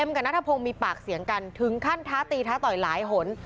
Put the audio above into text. กับนัทพงศ์มีปากเสียงกันถึงขั้นท้าตีท้าต่อยหลายหน